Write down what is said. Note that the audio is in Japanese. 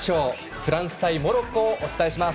フランス対モロッコをお伝えします。